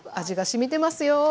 味がしみてますよ！